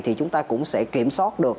thì chúng ta cũng sẽ kiểm soát được